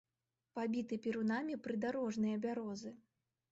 Пабіты перунамі прыдарожныя бярозы.